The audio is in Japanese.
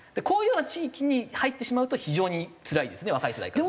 こういうような地域に入ってしまうと非常につらいですね若い世代。